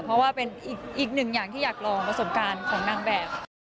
เพราะว่าเป็นอีกหนึ่งอย่างที่อยากลองประสบการณ์ของนางแบบ